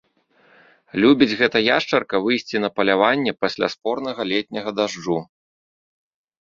Любіць гэта яшчарка выйсці на паляванне пасля спорнага летняга дажджу.